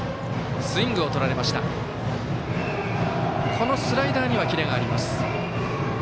このスライダーにはキレがあります。